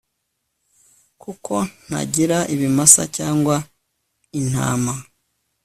Kuko ntagira ibimasa cyangwa intama